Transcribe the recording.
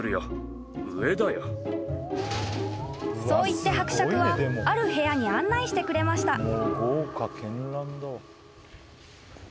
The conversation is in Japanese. ［そう言って伯爵はある部屋に案内してくれました］